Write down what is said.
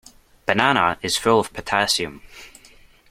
Banana is full of potassium.